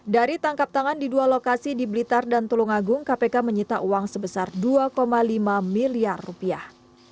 dari tangkap tangan di dua lokasi di blitar dan tulungagung kpk menyita uang sebesar dua lima miliar rupiah